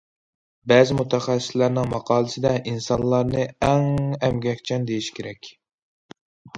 بەزى مۇتەخەسسىسلەرنىڭ ماقالىسىدە: ئىنسانلارنى ئەڭ ئەمگەكچان، دېيىش كېرەك.